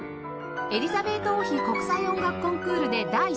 エリザベート王妃国際音楽コンクールで第３位を受賞